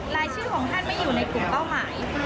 รายชื่อของท่านไม่อยู่ในกลุ่มเป้าหมาย